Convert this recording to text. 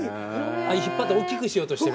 あっ引っ張って大きくしようとしてる。